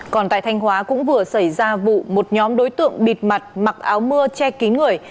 còn tại thanh hóa cũng vừa xảy ra vụ một nhóm đối tượng bịt mặt mặc áo mưa che kín người